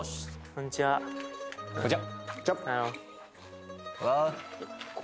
こんにちはこんにちは